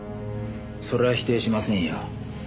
それは否定しませんよ。